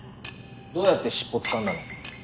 どうやって尻尾つかんだの？